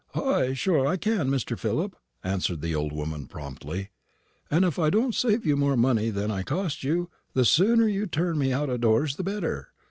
"Ay, sure, that I can, Mr. Philip," answered the old woman promptly; "and if I don't save you more money than I cost you, the sooner you turn me out o' doors the better.